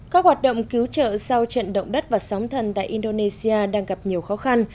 các hoạt động cứu trợ sau trận động đất và sóng thần tại indonesia đang gặp nhiều khó khăn